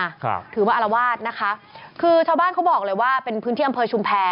ครับถือมาอารวาสนะคะคือชาวบ้านเขาบอกเลยว่าเป็นพื้นที่อำเภอชุมแพร